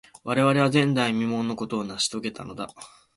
我々は、前代未聞のことを成し遂げたのだ。